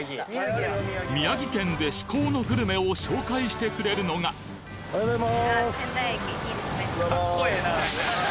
宮城県で至高のグルメを紹介してくれるのがおはようございます。